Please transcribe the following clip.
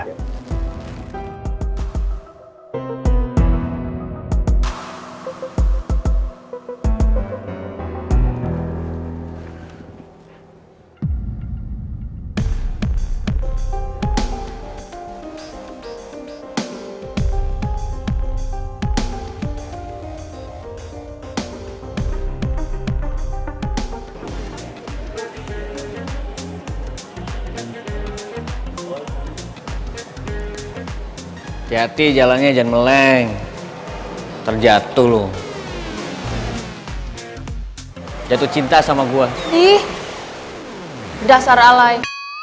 hati hati jalannya jangan meleng terjatuh lu jatuh cinta sama gua ih dasar alay